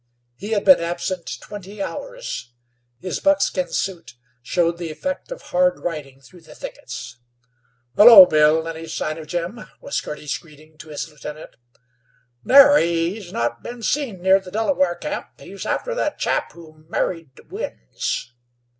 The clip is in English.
He had been absent twenty hours. His buckskin suit showed the effect of hard riding through the thickets. "Hullo, Bill, any sign of Jim?" was Girty's greeting to his lieutenant. "Nary. He's not been seen near the Delaware camp. He's after that chap who married Winds."